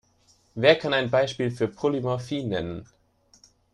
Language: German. Wer kann ein Beispiel für Polymorphie nennen?